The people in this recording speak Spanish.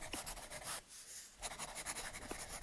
Debe destacarse la pequeña puerta norte con inscripciones árabes.